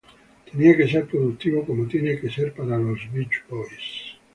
Tenía que a ser productivo, como tiene que ser para los Beach Boys".